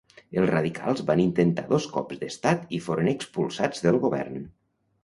Els radicals van intentar dos cops d'estat i foren expulsats del govern.